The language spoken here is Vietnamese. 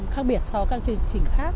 khác biệt so với các chương trình khác